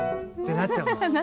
なっちゃう。